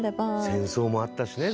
戦争もあったしね